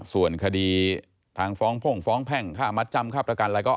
ส่วนคดีทางฟ้องพ่งฟ้องแพ่งค่ามัดจำค่าประกันอะไรก็